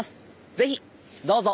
是非どうぞ！